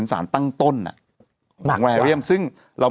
มีสารตั้งต้นเนี่ยคือยาเคเนี่ยใช่ไหมคะ